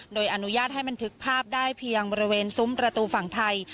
โดยอนุญาตให้บันทึกภาพได้เพียงบริเวณซุ้มประตูฝั่งไทย